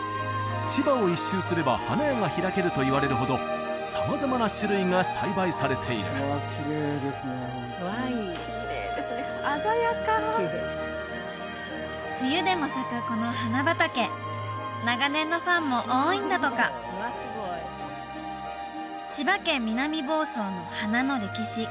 「千葉を１周すれば花屋が開ける」といわれるほど様々な種類が栽培されているわあいいきれいですね鮮やか冬でも咲くこの花畑長年のファンも多いんだとか千葉県南房総の花の歴史